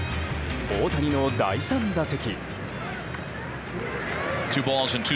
大谷の第３打席。